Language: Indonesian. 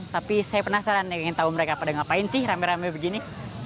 tapi saya penasaran pengen tahu mereka pada ngapain sih rame rame begini